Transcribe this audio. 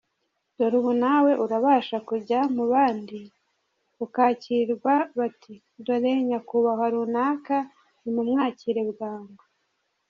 Dore ubu nawe urabasha kujya mu bandi ukakirwa bati : "dore nyakubahwa runaka nimumwakire bwangu.